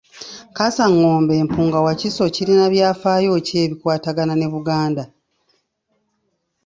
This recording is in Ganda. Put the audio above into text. Kaasangombe Mpunga Wakiso kirina byafaayo ki ebikwatagana ne Buganda?